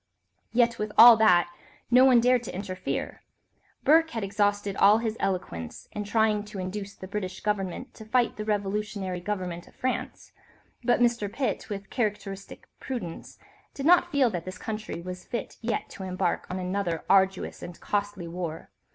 Yet, with all that, no one dared to interfere. Burke had exhausted all his eloquence in trying to induce the British Government to fight the revolutionary government of France, but Mr. Pitt, with characteristic prudence, did not feel that this country was fit yet to embark on another arduous and costly war.